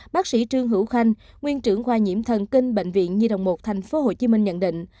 bác sĩ trương hữu khanh nguyên trưởng khoa nhiễm thần kinh bệnh viện nhi đồng một tp hcm nhận định